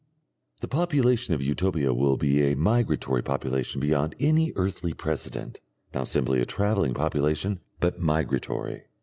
The population of Utopia will be a migratory population beyond any earthly precedent, not simply a travelling population, but migratory.